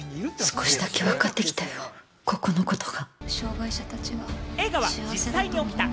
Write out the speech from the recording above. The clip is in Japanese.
少しだけわかってきたよ、ここのことが。